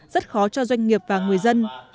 rất khó cho doanh nghiệp và người dân